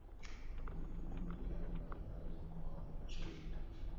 na digidigi Aidha unaweza kuwaona chui